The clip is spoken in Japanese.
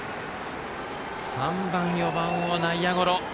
３番、４番を内野ゴロ。